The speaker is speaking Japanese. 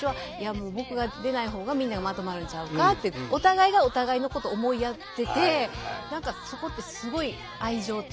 もう僕が出ないほうがみんながまとまるんちゃうかっていうお互いがお互いのことを思いやってて何かそこってすごい愛情っていうかね